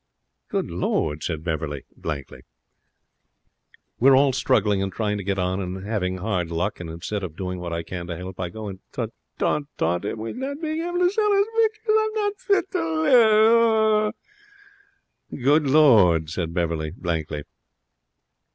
'Good Lord!' said Beverley, blankly. 'We're all struggling and trying to get on and having hard luck, and instead of doing what I can to help, I go and t t taunt him with not being able to sell his pictures! I'm not fit to live! Oh!' 'Good Lord!' said Beverley, blankly.